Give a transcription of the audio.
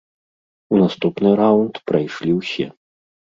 У наступны раўнд прайшлі ўсе.